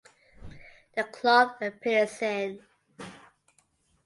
The clock appears in